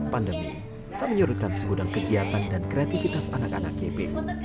pandemi tak menyurutkan segudang kegiatan dan kreativitas anak anak gp